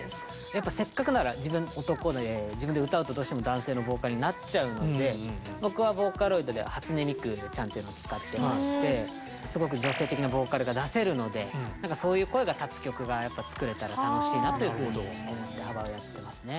やっぱせっかくなら自分男で自分で歌うとどうしても男性のボーカルになっちゃうので僕はボーカロイドで初音ミクちゃんっていうのを使ってましてすごく女性的なボーカルが出せるのでそういう声が立つ曲がやっぱ作れたら楽しいなというふうに思ってやってますね。